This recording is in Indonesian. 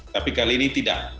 tapi kali ini tidak